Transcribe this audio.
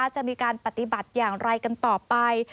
จะมีการปฏิบัติอย่างไรกันต่อไป